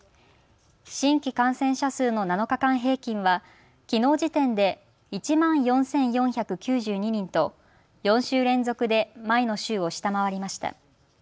新規感染者数の７日間平均はきのう時点で１万４４９２人と４週連続で前の週を下回りました。